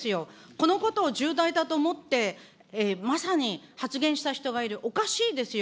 このことを重大だと思って、まさに発言した人がいる、おかしいですよ。